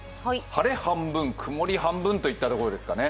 晴れ半分、曇り半分といったところでしょうかね。